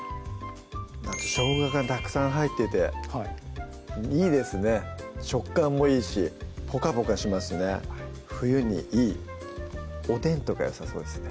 しょうががたくさん入ってていいですね食感もいいしポカポカしますね冬にいいおでんとかよさそうですね